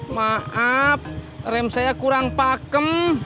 maaf rem saya kurang pakem